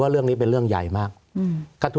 สวัสดีครับทุกคน